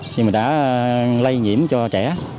nhưng mà đã lây nhiễm cho trẻ